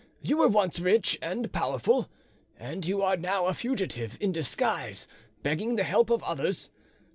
You were once rich and powerful, and you are now a fugitive in disguise, begging the help of others.